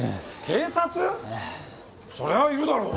そりゃいるだろう。